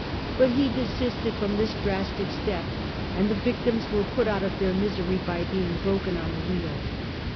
But he desisted from this drastic step and the victims were put out of their misery by being broken on the wheel.